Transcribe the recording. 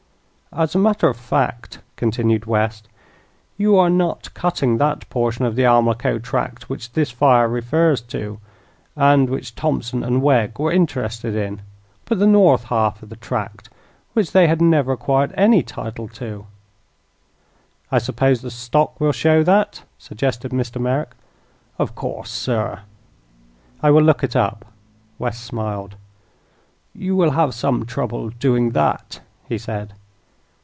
"As a matter of fact," continued West, "you are not cutting that portion of the Almaquo tract which this fire refers to, and which Thompson and Wegg were interested in, but the north half of the tract, which they had never acquired any title to." "I suppose the stock will show that," suggested Mr. Merrick. "Of course, sir." "I will look it up." West smiled. "You will have some trouble doing that," he said.